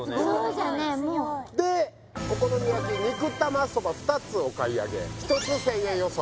もうでお好み焼き肉玉そば２つお買い上げ１つ１０００円予想